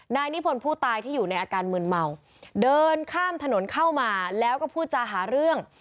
นายนิพนธ์ผู้ตายที่อยู่ในอาการมืนเมาเดินข้ามถนนเข้ามาแล้วก็พูดจาหาเรื่อง